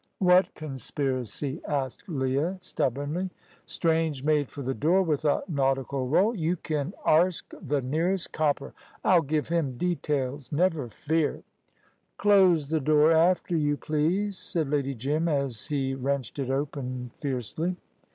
"What conspiracy?" asked Leah, stubbornly. Strange made for the door with a nautical roll. "You kin arsk th' nearest copper. I'll give him details, never fear." "Close the door after you, please," said Lady Jim, as he wrenched it open fiercely.